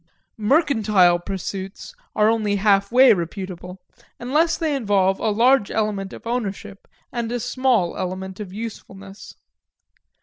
Mercantile pursuits are only half way reputable, unless they involve a large element of ownership and a small element of usefulness.